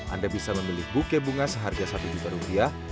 anda bisa memilih buke bunga seharga satu juta rupiah